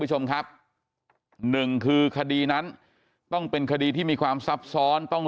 คุณผู้ชมครับหนึ่งคือคดีนั้นต้องเป็นคดีที่มีความซับซ้อนต้อง